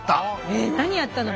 え何やったの？